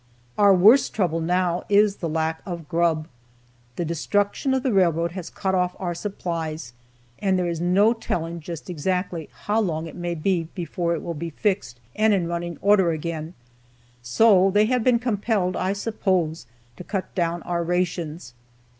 Our worst trouble now is the lack of grub. The destruction of the railroad has cut off our supplies, and there is no telling just exactly how long it may be before it will be fixed and in running order again, so they have been compelled, I suppose, to cut down our rations.